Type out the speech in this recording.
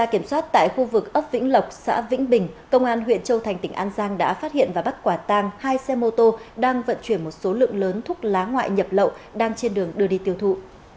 kiểm soát tại khu vực ấp vĩnh lộc xã vĩnh bình công an huyện châu thành tỉnh an giang đã phát hiện và bắt quả tang hai xe mô tô đang vận chuyển một số lượng lớn thuốc lá ngoại nhập lậu đang trên đường đưa đi tiêu thụ